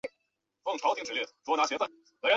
许育瑞为其外孙。